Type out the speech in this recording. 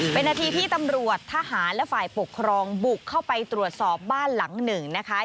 เป็นนาทีที่ตำรวจทหารและฝ่ายปกครองบุกเข้าไปตรวจสอบบ้านหลังหนึ่งนะคะ